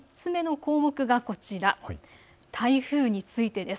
３つ目の項目はこちらです。